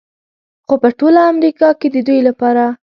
خو په ټول امریکا کې د دوی لپاره